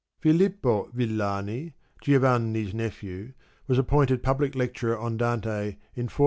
Filippo Villani, Giovanni's nephew, was appointed public lecturer on Dante in 1404.